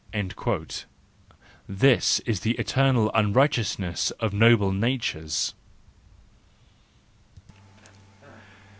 —This is the eternal unrighteousness of noble natures.